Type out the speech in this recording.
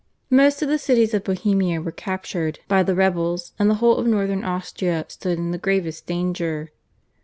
Most of the cities of Bohemia were captured by the rebels, and the whole of northern Austria stood in the gravest danger.